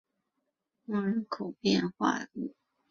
蒙特莫人口变化图示